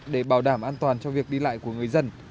để bảo đảm an toàn cho việc đi lại của người dân